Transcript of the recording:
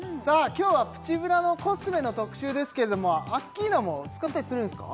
今日はプチブラのコスメの特集ですけどもアッキーナも使ったりするんですか？